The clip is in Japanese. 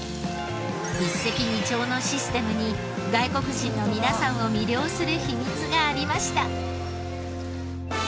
一石二鳥のシステムに外国人の皆さんを魅了する秘密がありました。